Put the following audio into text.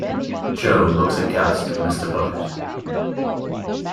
Jo looks aghast at Mr. Bucket.